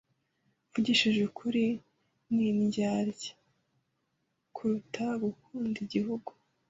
Mvugishije ukuri, ni indyarya kuruta gukunda igihugu.